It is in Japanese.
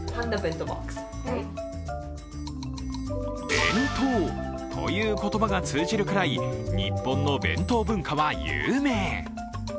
「ＢＥＮＴＯ」という言葉が通じるくらい日本の弁当文化は有名。